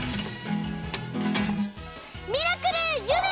ミラクルゆめ！